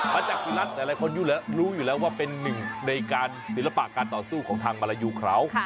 อาจารย์สุรัตน์หลายคนรู้อยู่แล้วว่าเป็นหนึ่งในการศิลปะการต่อสู้ของทางมาลายูเขา